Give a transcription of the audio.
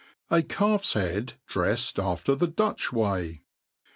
A Calfs Head dr0d after the Dutch Way.